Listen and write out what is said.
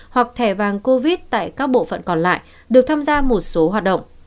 hoặc thẻ vàng covid tại các bộ phận còn lại được tham gia một số hoạt động